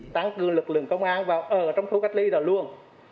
tăng cương lực lượng công an vào trong khu cách ly là luôn